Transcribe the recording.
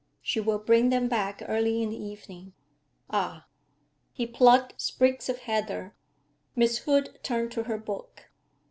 She will bring them back early in the evening.' 'Ah!' He plucked sprigs of heather. Miss Hood turned to her book.